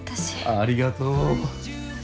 ありがとう。